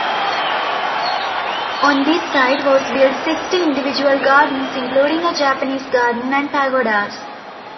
On this site was built sixty individual gardens, including a Japanese garden and pagodas.